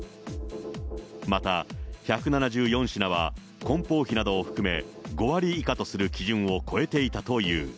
また１７４品はこん包費などを含め５割以下とする基準を超えていたという。